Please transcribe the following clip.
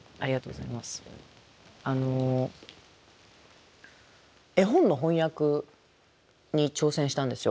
あの絵本の翻訳に挑戦したんですよ。